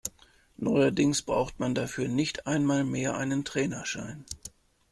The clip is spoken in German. Neuerdings braucht man dafür nicht einmal mehr einen Trainerschein.